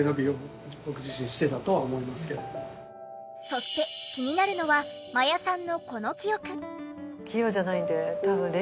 そして気になるのは真矢さんのこの記憶。